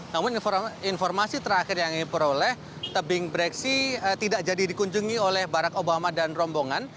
namun informasi terakhir yang diperoleh tebing breksi tidak jadi dikunjungi oleh barack obama dan rombongan